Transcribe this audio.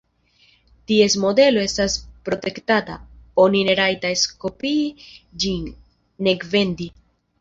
Ties modelo estas protektata: oni ne rajtas kopii ĝin, nek vendi.